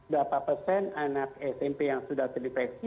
berapa persen anak smp yang sudah terinfeksi